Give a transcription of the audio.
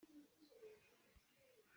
Na ra hoi.